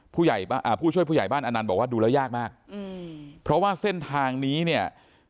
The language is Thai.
ผู้ช่วยผู้ใหญ่บ้านอนันต์บอกว่าดูแล้วยากมากอืมเพราะว่าเส้นทางนี้เนี่ย